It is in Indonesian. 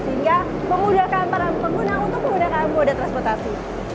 sehingga memudahkan para pengguna untuk menggunakan moda transportasi